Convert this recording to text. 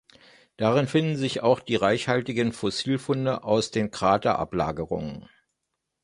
Darin finden sich auch die reichhaltigen Fossilfunde aus den Kraterablagerungen.